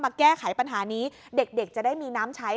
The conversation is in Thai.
แก้ไขปัญหานี้เด็กจะได้มีน้ำใช้